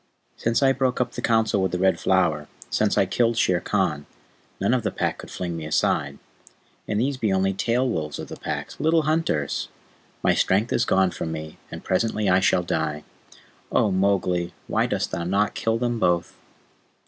"Since I broke up the Council with the Red Flower since I killed Shere Khan none of the Pack could fling me aside. And these be only tail wolves in the Pack, little hunters! My strength is gone from me, and presently I shall die. Oh, Mowgli, why dost thou not kill them both?"